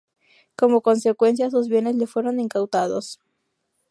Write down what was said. Como consecuencia, sus bienes le fueron incautados.